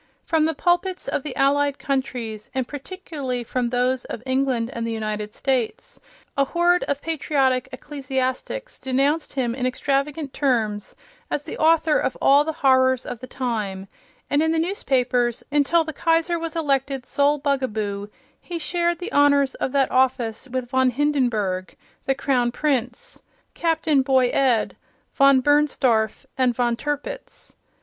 From the pulpits of the allied countries, and particularly from those of England and the United States, a horde of patriotic ecclesiastics denounced him in extravagant terms as the author of all the horrors of the time, and in the newspapers, until the Kaiser was elected sole bugaboo, he shared the honors of that office with von Hindenburg, the Crown Prince, Capt. Boy Ed, von Bernstorff and von Tirpitz.